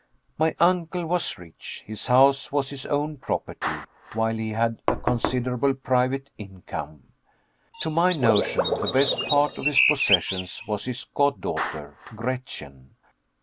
My uncle was rich; his house was his own property, while he had a considerable private income. To my notion the best part of his possessions was his god daughter, Gretchen.